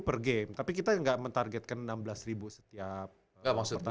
enam belas per game tapi kita gak men targetkan enam belas setiap pertandingan